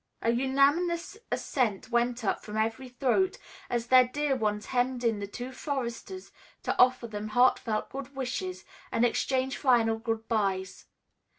A unanimous assent went up from every throat as their dear ones hemmed in the two foresters to offer them heartfelt good wishes and exchange final good byes.